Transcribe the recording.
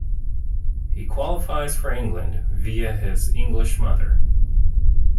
He qualifies for England via his English mother.